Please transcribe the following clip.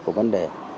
của vấn đề